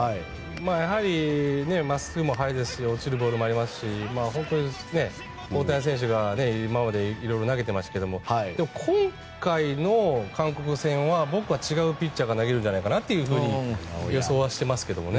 やはり真っすぐも速いですし落ちるボールもありますし大谷選手が今まで色々投げてましたけど今回の韓国戦は僕は違うピッチャーが投げるんじゃないかなと予想してますけどね。